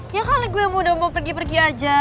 ya kali gue udah mau pergi pergi aja